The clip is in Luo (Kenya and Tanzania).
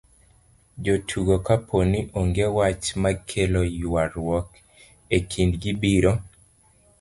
jotugo kapo ni onge wach makelo ywaruok e kind gi, biro